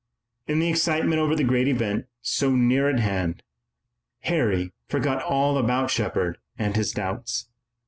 In the excitement over the great event, so near at hand, Harry forgot all about Shepard and his doubts.